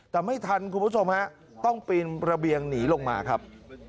แต่ไม่ทันคุณผู้ชมฮะต้องปีนระเบียงหนีลงมาครับ